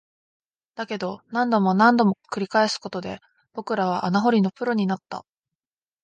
だけど、何度も何度も繰り返すことで、僕らは穴掘りのプロになった